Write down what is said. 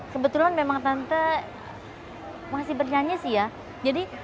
sebelumnya heidi berkata bahwa dia masih berbicara dengan suara yang lebih baik